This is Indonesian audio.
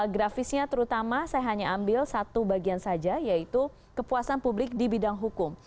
grafisnya terutama saya hanya ambil satu bagian saja yaitu kepuasan publik di bidang hukum